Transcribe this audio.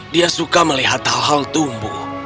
dia suka melihat hal hal tumbuh